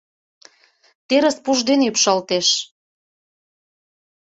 Терыс пуш дене ӱпшалтеш.